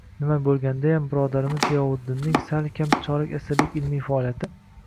Nima bo‘lgandayam, birodarimiz Ziyovuddinning sal kam chorak asrlik ilmiy faoliyati